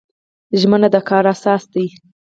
ژمنه د کار اساس دی